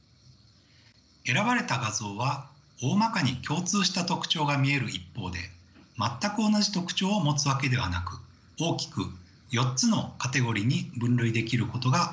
選ばれた画像はおおまかに共通した特徴が見える一方で全く同じ特徴を持つわけではなく大きく４つのカテゴリーに分類できることが分かりました。